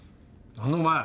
何だお前